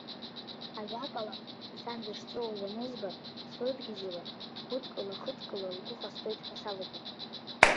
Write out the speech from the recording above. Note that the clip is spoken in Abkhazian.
Ажәакала, сан дышҵәуоз анызба, слыдгьежьыло, дгәыдкыла-хыдкыло лгәы ҟасҵоит ҳәа салагеит.